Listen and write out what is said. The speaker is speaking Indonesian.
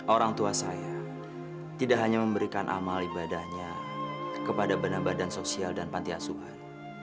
orang tua saya tidak hanya memberikan amal ibadahnya kepada badan badan sosial dan panti asuhan